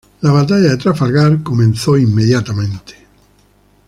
La batalla de Trafalgar comenzó inmediatamente.